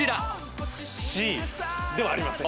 Ｃではありません。